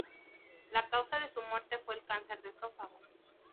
La causa de su muerte fue el cáncer de esófago.